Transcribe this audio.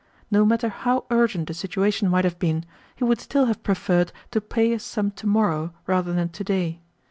No matter how urgent a situation might have been, he would still have preferred to pay a sum to morrow rather than to day.